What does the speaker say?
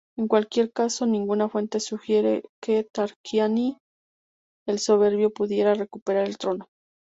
En cualquier caso, ninguna fuente sugiere que Tarquinio el Soberbio pudiera recuperar el trono.